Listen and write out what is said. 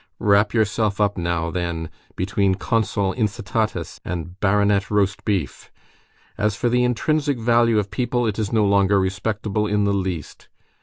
Wrap yourself up now, then, between Consul Incitatus and Baronet Roastbeef. As for the intrinsic value of people, it is no longer respectable in the least.